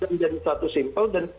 menjadi status simple dan